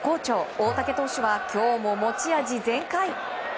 大竹投手は今日も持ち味全開。